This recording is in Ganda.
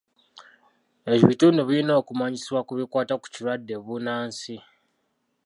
Ebitundu birina okumanyisibwa ku bikwata ku kirwadde bbunansi.